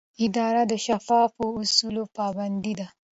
اداره د شفافو اصولو پابنده ده.